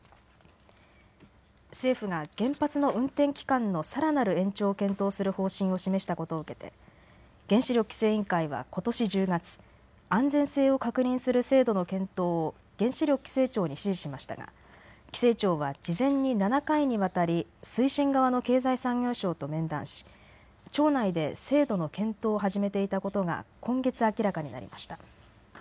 政府が原発の運転期間のさらなる延長を検討する方針を示したことを受けて原子力規制委員会はことし１０月、安全性を確認する制度の検討を原子力規制庁に指示しましたが規制庁は事前に７回にわたり推進側の経済産業省と面談し庁内で制度の検討を始めていたことが今月明らかになりました。